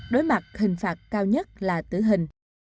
đối mặt hình phạt cao nhất là tử hình